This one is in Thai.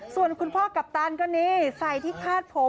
ส่วนคุณพ่อกัปตันก็นี่ใส่ที่คาดผม